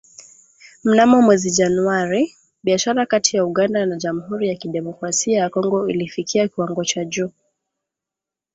Mnamo mwezi Januari, biashara kati ya Uganda na Jamuhuri ya kidemokrasia ya Kongo ilifikia kiwango cha juu